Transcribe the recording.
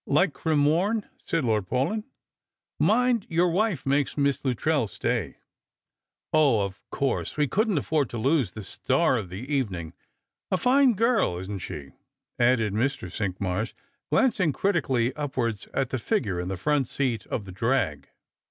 " Like Cremorne," said Lord Paulyn. " Mind your wife makes Miss Luttrell stay." " 0, of course ; we couldn't afford to lose the star of the evening. A fine girl, isn't she ?" added Mr. Cinqmars, glancing critically upwards at the figure in the front seat of the drag.